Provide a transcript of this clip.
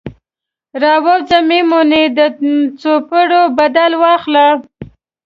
راووځه میمونۍ، د څوپیړیو بدل واخله